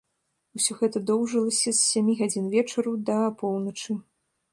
Усё гэта доўжылася з сямі гадзін вечару да апоўначы.